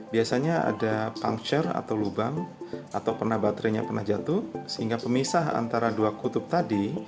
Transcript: biasanya ada puncture atau lubang atau pernah baterainya pernah jatuh sehingga pemisah antara dua kutub tadi